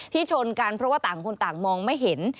ชนกันเพราะว่าต่างคนต่างมองไม่เห็น